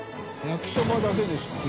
焼きそばだけですかね？